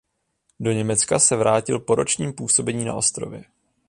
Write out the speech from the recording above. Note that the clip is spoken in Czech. Do Německa se vrátil po ročním působení na ostrově.